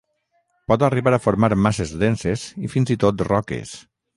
Pot arribar a formar masses denses i fins i tot roques.